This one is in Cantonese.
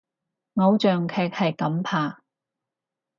偶像劇係噉拍！